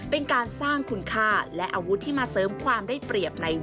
เป็นการสร้างคุณค่าและอาวุธที่มาเสริมความได้เปรียบใน